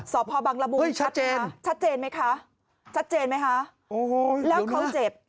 สอบภอบังละมุมครับคะชัดเจนไหมคะชัดเจนไหมคะแล้วเขาเจ็บโอ้โฮเดี๋ยวหนึ่งค่ะ